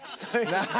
なあ！